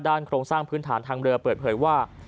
โครงสร้างพื้นฐานทางเรือเปิดเผยว่า